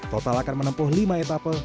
total akan menempuh lima etapa